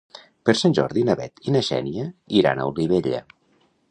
Per Sant Jordi na Bet i na Xènia iran a Olivella.